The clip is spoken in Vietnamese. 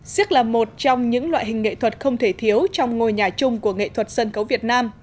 siếc là một trong những loại hình nghệ thuật không thể thiếu trong ngôi nhà chung của nghệ thuật sân khấu việt nam